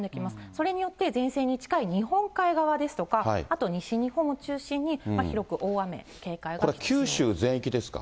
それによって、前線に近い日本海側ですとか、あと西日本を中心に広く大雨、これ、九州全域ですか。